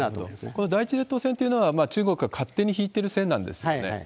この第１列島線というのは中国が勝手に引いてる線なんですよね。